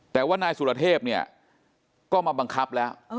แต่ว่านายสุรเทพเนี่ยก็มาบังคับแล้ว